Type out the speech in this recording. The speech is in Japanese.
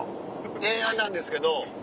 提案なんですけど。